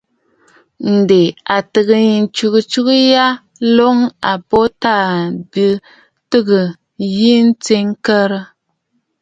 Ǹdè a ghɨ̀rə ntsugə atsugə ya nlə̀ə̀ a mbo Taà bìʼì tɨgə jɨ tsiʼì ŋ̀kə̀rə̀.